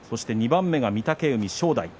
２番目に御嶽海、正代。